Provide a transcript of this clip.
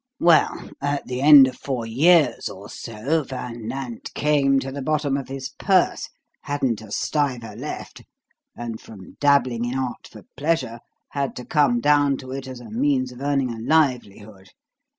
"Well, at the end of four years or so Van Nant came to the bottom of his purse hadn't a stiver left; and from dabbling in art for pleasure, had to come down to it as a means of earning a livelihood.